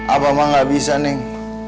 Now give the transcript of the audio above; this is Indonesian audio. abah mah nggak bisa neng